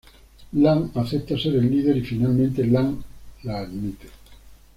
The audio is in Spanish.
Lan acepta ser el líder y Finalmente, Lan la admite.